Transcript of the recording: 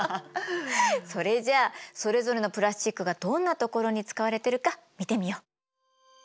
それじゃあそれぞれのプラスチックがどんな所に使われてるか見てみよう。